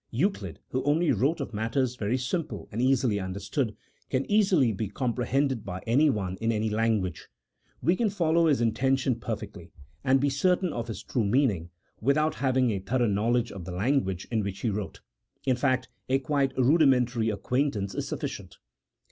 Euclid, who only wrote of matters very simple and easily understood, can easily be comprehended by anyone in any language ; we can follow his intention perfectly, and be certain of his true meaning, without having a thorough knowledge of the lan guage in which he wrote ; in fact, a quite rudimentary ac quaintance is sufficient.